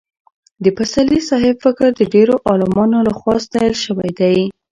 د پسرلي صاحب فکر د ډېرو عالمانو له خوا ستایل شوی دی.